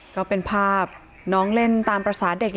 ก็เป็นภาพน้องเล่นตามภาษาเด็ก